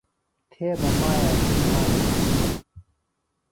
تھے بہ مائیے توۡ مھالہ گھشیِہ